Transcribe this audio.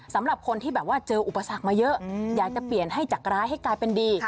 สำหรับคนที่แบบว่าเจออุปสรรคมาเยอะอยากจะเปลี่ยนให้จากร้ายให้กลายเป็นดี